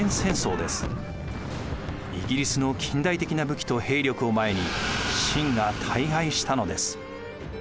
イギリスの近代的な武器と兵力を前に清が大敗したのです。